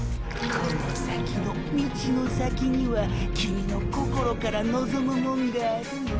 この先の道の先にはキミの心から望むもんがあるよ？